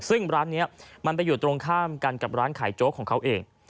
ซึ่งร้านนี้มันไปอยู่ตรงข้ามกันกับร้านขายโจ๊กของเขาเอง